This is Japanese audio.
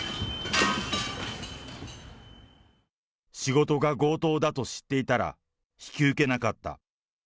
仕事が強盗だと知っていたら、引き受けなかった。